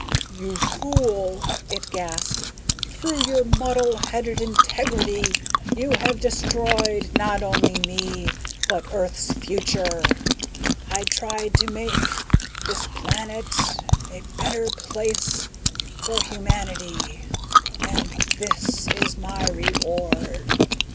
"You fool...." it gasped. "Through your muddle headed integrity ... you have destroyed not only me ... but Earth's future. I tried to make ... this planet a better place for humanity ... and this is my reward...."